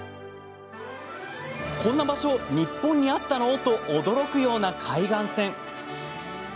こんな場所、日本にあったの？と驚くような海岸線。